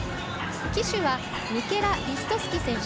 旗手はミケラ・リストスキ選手。